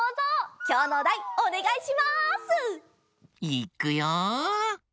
いっくよ！